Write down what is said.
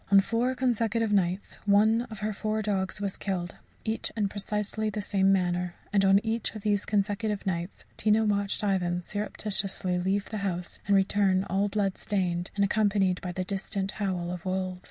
On four consecutive nights one of her four dogs was killed, each in precisely the same manner; and on each of these consecutive nights Tina watched Ivan surreptitiously leave the house and return all bloodstained, and accompanied by the distant howl of wolves.